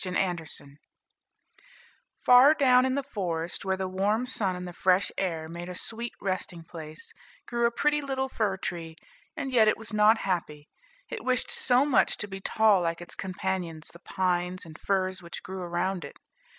THE FIR TREE Far down in the forest, where the warm sun and the fresh air made a sweet resting place, grew a pretty little fir tree; and yet it was not happy, it wished so much to be tall like its companions the pines and firs which grew around it.